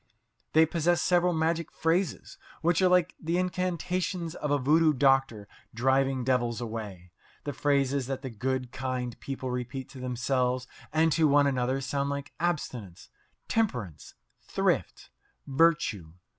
They possess several magic phrases, which are like the incantations of a voodoo doctor driving devils away. The phrases that the good, kind people repeat to themselves and to one another sound like "abstinence," "temperance," "thrift," "virtue."